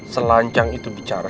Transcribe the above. selancang itu bicara